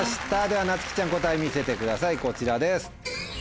ではなつきちゃん答え見せてくださいこちらです。